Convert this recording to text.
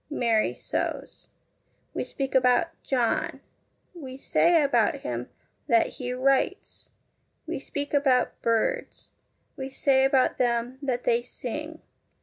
Mary sews. We speak about ' John.' We say about him that he 'writes.' We speak about ' birds.' We say about them that they ' sing.'